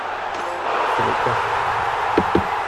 C’est le cas